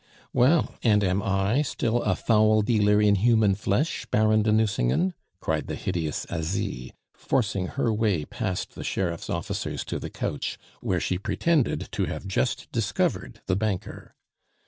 "Well, and am I still a foul dealer in human flesh, Baron de Nucingen?" cried the hideous Asie, forcing her way past the sheriff's officers to the couch, where she pretended to have just discovered the banker.